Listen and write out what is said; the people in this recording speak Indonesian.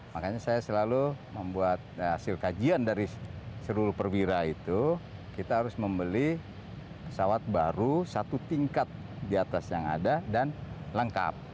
makanya saya selalu membuat hasil kajian dari seluruh perwira itu kita harus membeli pesawat baru satu tingkat di atas yang ada dan lengkap